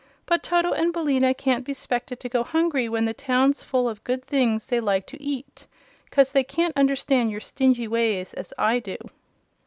But Toto and Billina can't be 'spected to go hungry when the town's full of good things they like to eat, 'cause they can't understand your stingy ways as I do."